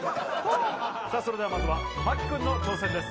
それではまずはＭＡＫＩ君の挑戦です。